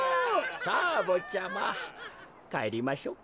さあぼっちゃまかえりましょうか。